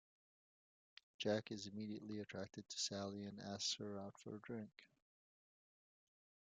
Jack is immediately attracted to Sally and asks her out for a drink.